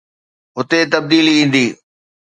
هتي تبديلي ايندي.